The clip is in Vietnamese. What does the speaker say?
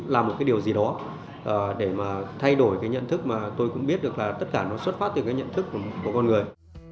làm một cái điều gì đó để mà thay đổi cái nhận thức mà tôi cũng biết được là tất cả nó xuất phát từ cái nhận thức của con người